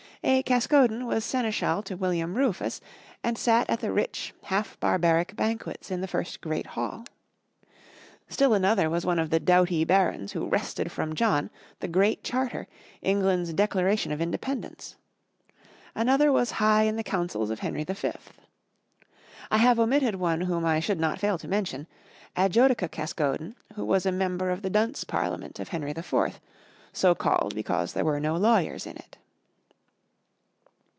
A Caskoden was seneschal to William Rufus, and sat at the rich, half barbaric banquets in the first Great Hall. Still another was one of the doughty barons who wrested from John the Great Charter, England's declaration of independence; another was high in the councils of Henry V. I have omitted one whom I should not fail to mention: Adjodika Caskoden, who was a member of the Dunce Parliament of Henry IV, so called because there were no lawyers in it.